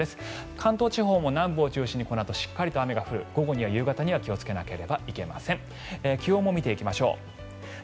関東地方も南部を中心にしっかりと雨が降ってくる午後、夕方には気をつけないといけません。